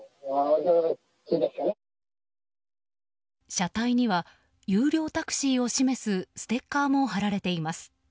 車体には優良タクシーを示すステッカーも貼られています。